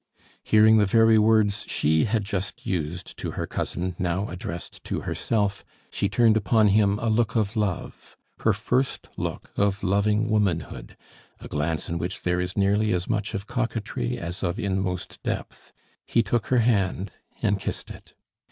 Hearing the very words she had just used to her cousin now addressed to herself, she turned upon him a look of love, her first look of loving womanhood, a glance in which there is nearly as much of coquetry as of inmost depth. He took her hand and kissed it.